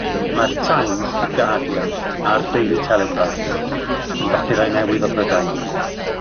Mae'r Times, y Guardian, a'r Daily Telegraph yn bapurau newydd o Brydain.